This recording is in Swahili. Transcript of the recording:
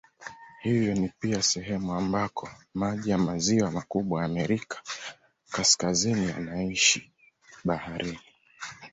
Hivyo ni pia sehemu ambako maji ya maziwa makubwa ya Amerika Kaskazini yanaishia baharini.